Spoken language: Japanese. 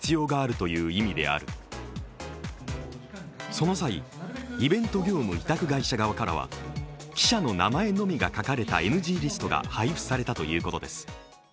その際、イベント業務委託会社側からは、記者の名前のみが書かれたＮＧリストが配布されたということです。